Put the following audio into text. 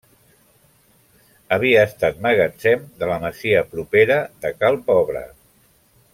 Havia estat magatzem de la masia propera de Cal Pobre.